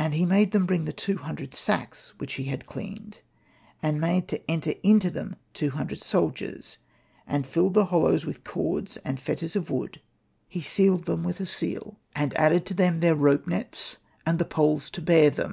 And he made them bring the two hundred sacks which he had cleaned, and made to enter into them two hundred soldiers^ and filled the hollows with cords and fetters of wood, he sealed them with a seal, Hosted by Google THE TAKING OF JOPPA 5 and added to them their rope nets and the poles to bear them.